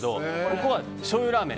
ここはしょうゆラーメン。